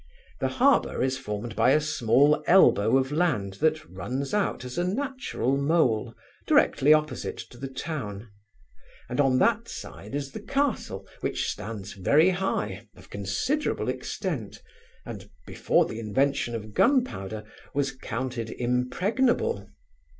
The harbour is formed by a small elbow of land that runs out as a natural mole, directly opposite to the town; and on that side is the castle, which stands very high, of considerable extent, and, before the invention of gun powder, was counted impregnable.